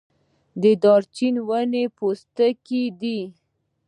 دارچینی د ونې پوستکی دی